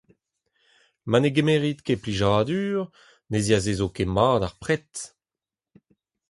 Ma ne gemerit ket plijadur, ne ziazezo ket mat ar pred.